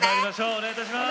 お願いいたします。